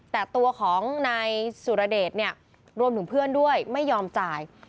แต่ตัวของนายสุรเดชเนี่ยรวมถึงเพื่อนด้วยไม่ยอมจ่าย